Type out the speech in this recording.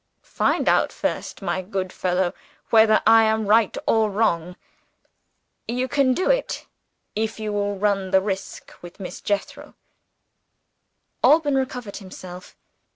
"Find out first, my good fellow, whether I am right or wrong. You can do it, if you will run the risk with Miss Jethro." Alban recovered himself.